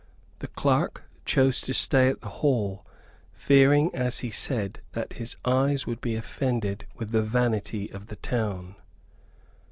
The clerk chose to stay at the hall, fearing, as he said, that his eyes would be offended with the vanity of the town.